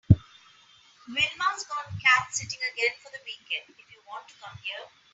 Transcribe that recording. Wilma’s gone cat sitting again for the weekend if you want to come over.